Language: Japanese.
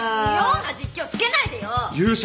妙な実況つけないでよ！